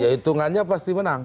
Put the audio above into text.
ya hitungannya pasti menang